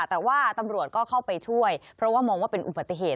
แต่ว่าตำรวจก็เข้าไปช่วยเพราะว่ามองว่าเป็นอุบัติเหตุ